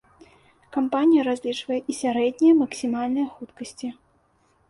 Кампанія разлічвае і сярэднія максімальныя хуткасці.